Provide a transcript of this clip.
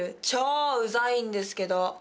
超うざいんですけど！